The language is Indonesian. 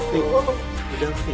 tunggu udah oke